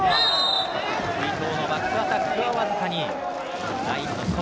尾藤のバックアタックはわずかにラインの外。